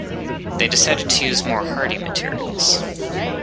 They decided to use more "hearty" materials.